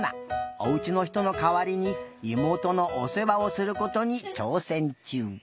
おうちのひとのかわりにいもうとのおせわをすることにちょうせんちゅう。